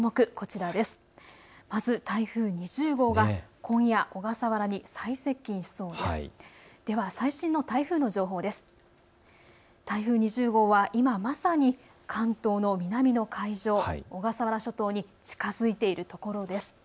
台風２０号は今まさに関東の南の海上、小笠原諸島に近づいているところです。